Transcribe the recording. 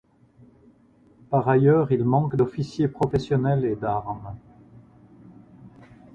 Par ailleurs il manque d' officiers professionnels et d'armes.